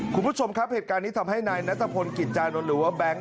คุณผู้ชมครับเหตุการณ์นี้ทำให้นายนัทพลกิจจานนท์หรือว่าแบงค์